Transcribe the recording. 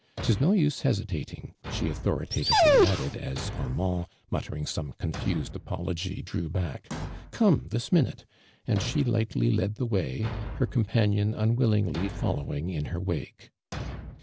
"'I'is no use he. itating I" >heautlioritatively adde<l, a < .\rmand, mut tering some confused apology, ilr<nv l)aek. ••Come this minute !'■ and sjie lightly led the way, her companion luiwillingly fol lowing in her wake.